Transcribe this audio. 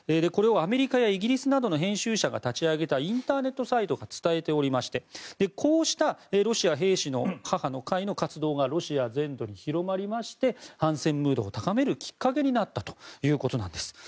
これをアメリカやイギリスなどの編集者が立ち上げたインターネットサイトが伝えておりましてこうしたロシア兵士の母の会の活動がロシア全土に広まりまして反戦ムードを高めるきっかけになったということです。